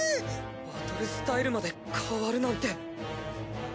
バトルスタイルまで変わるなんて！？